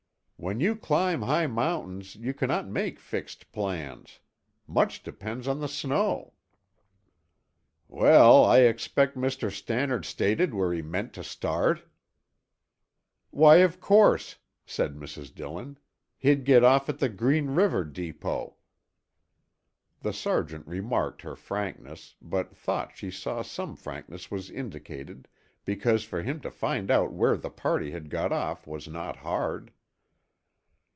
"When you climb high mountains you cannot make fixed plans. Much depends on the snow." "Well, I expect Mr. Stannard stated where he meant to start?" "Why, of course," said Mrs. Dillon. "He'd get off at the Green River depot." The sergeant remarked her frankness, but thought she saw some frankness was indicated, because for him to find out where the party had got off was not hard.